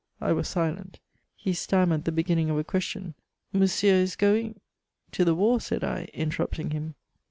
I was silent. He stammered the beginning oi a question :" Monsieur is going ?"To the war," said I, interrupting him.